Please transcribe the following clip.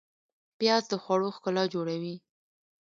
پیاز د خوړو ښکلا جوړوي